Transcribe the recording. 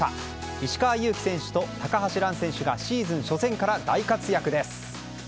石川祐希選手と高橋藍選手がシーズン初戦から大活躍です。